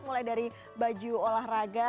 mulai dari baju olahraga